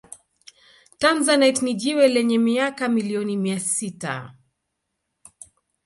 Tanzanite ni jiwe lenye miaka milioni mia sita